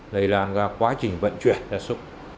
lây lan qua quá trình vận chuyển ra súc